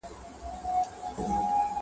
ټول جهان ورته تیاره سو لاندي باندي.!